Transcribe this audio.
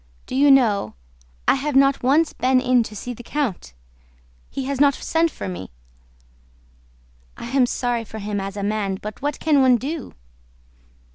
"Do you know, I have not once been in to see the count. He has not sent for me.... I am sorry for him as a man, but what can one do?"